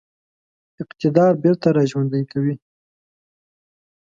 اقتدار بیرته را ژوندی کوي.